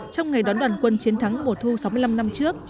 trong ngày đón đoàn quân chiến thắng mùa thu sáu mươi năm năm trước